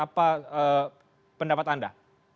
apa pendapat anda